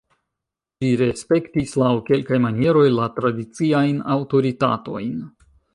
Ĝi respektis, laŭ kelkaj manieroj, la tradiciajn aŭtoritatojn.